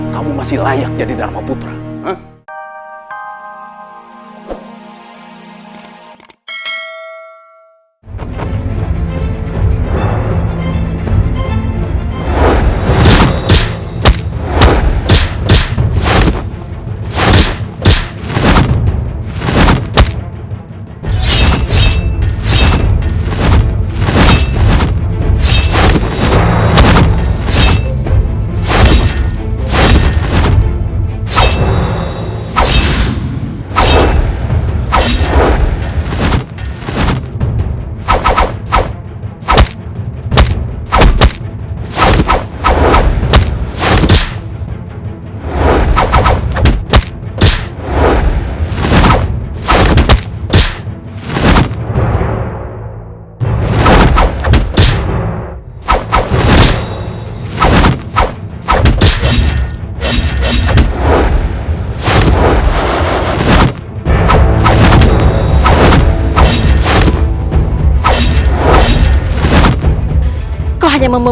kamu masih layak jadi dharma putra